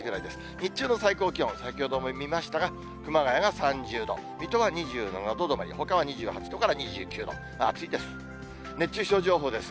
日中の最高気温、先ほども見ましたが、熊谷が３０度、水戸が２７度止まり、ほかは２８度から２９度、暑いです。